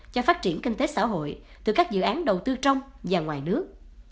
cho phát triển kinh tế xã hội từ các dự án đầu tư trong và ngoài nước